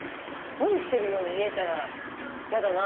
無理してるように見えたら嫌だな。